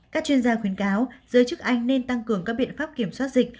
các chuyên gia khuyến cáo giới chức anh nên tăng cường các biện pháp kiểm soát dịch